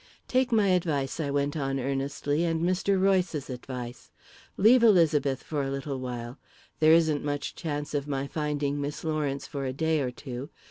"Take my advice," I went on earnestly, "and Mr. Royce's advice. Leave Elizabeth for a little while. There isn't much chance of my finding Miss Lawrence for a day or two.